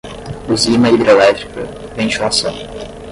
usina hidrelétrica, ventilação